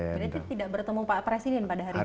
berarti tidak bertemu pak presiden pada hari ini